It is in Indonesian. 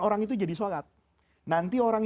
orang itu jadi sholat nanti orang